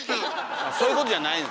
あっそういうことじゃないんですね。